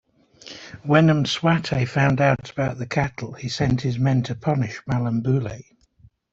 When Mswati found out about the cattle, he sent his men to punish Malambule.